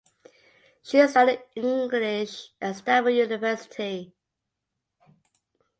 She studied English at Stanford University.